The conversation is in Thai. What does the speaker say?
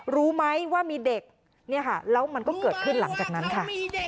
รู้ไหมว่ามีเด็กเนี่ยค่ะแล้วมันก็เกิดขึ้นหลังจากนั้นค่ะ